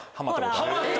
ハマった？